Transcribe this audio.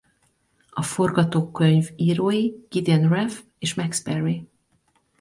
A forgatókönyvírói Gideon Raff és Max Perry.